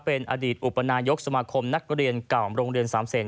เป็นอดีตอุปนายกสมาคมนักเรียนเก่าโรงเรียนสามเศษ